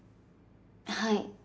はい。